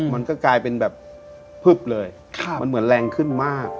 มันก็กลายเป็นแบบพึบเลยมันเหมือนแรงขึ้นมาก